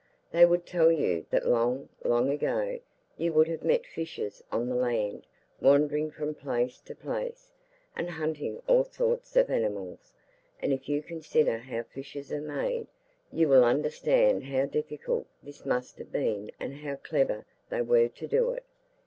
They would tell you that long, long ago you would have met fishes on the land, wandering from place to place, and hunting all sorts of animals, and if you consider how fishes are made, you will understand how difficult this must have been and how clever they were to do it.